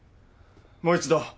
もう一度。